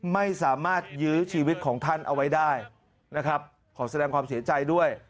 ไม่สามารถยื้อชีวิตของท่านเอาไว้ได้นะครับขอแสดงความเสียใจด้วย